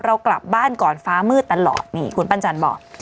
เรากลับบ้านก่อนฟ้ามืดตลอดนี่คุณปั้นจันบอก